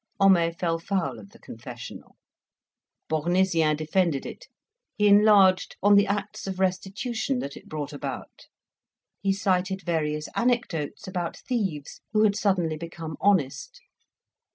Homais fell foul of the confessional. Bournisien defended it; he enlarged on the acts of restitution that it brought about. He cited various anecdotes about thieves who had suddenly become honest.